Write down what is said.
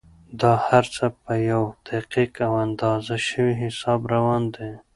دا هر څه په یو دقیق او اندازه شوي حساب روان دي.